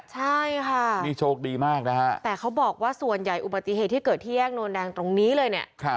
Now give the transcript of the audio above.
ใช่ค่ะนี่โชคดีมากนะฮะแต่เขาบอกว่าส่วนใหญ่อุบัติเหตุที่เกิดที่แยกโนนแดงตรงนี้เลยเนี่ย